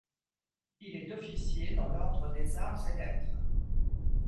Il est officier dans l’Ordre des Arts et Lettres.